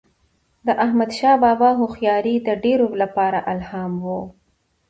د احمدشاه بابا هوښیاري د ډیرو لپاره الهام و.